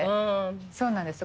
そうなんです。